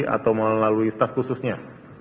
atau melalui staff khususnya